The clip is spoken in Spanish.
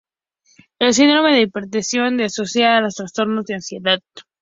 El síndrome de hiperventilación se asocia a los trastornos de ansiedad.